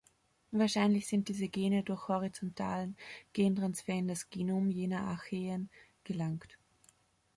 Wahrscheinlich sind diese Gene durch horizontalen Gentransfer in das Genom jener Archaeen gelangt.